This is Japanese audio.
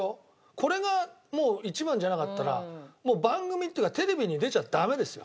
これがもう一番じゃなかったら番組っていうかテレビに出ちゃダメですよ。